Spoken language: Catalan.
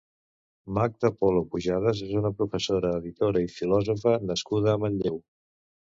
Magda Polo Pujadas és una professora, editora i filòsofa nascuda a Manlleu.